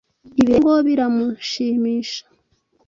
Ibi rero ngo biramushimisha